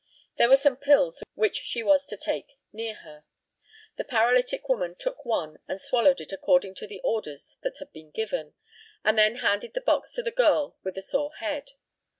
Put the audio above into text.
There were some pills which she was to take near her. The paralytic woman took one and swallowed it according to the orders that had been given, and then handed the box to the girl with a sore head.